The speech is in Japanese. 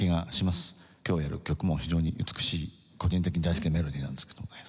今日やる曲も非常に美しい個人的に大好きなメロディーなんですけどもね。